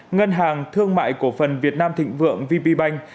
ngân hàng thương mại của phần việt nam thịnh vượng vb bank